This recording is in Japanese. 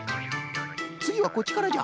つぎはこっちからじゃ。